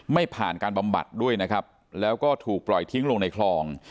ไม่ผ่านการบำบัดด้วยนะครับแล้วก็ถูกปล่อยทิ้งลงในคลอง